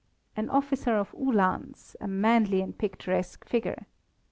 An officer of Uhlans, a manly and picturesque figure.